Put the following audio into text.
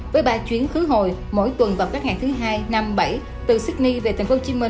và chuyến khứ hồi mỗi tuần vào các ngày thứ hai năm bảy từ sydney về tp hcm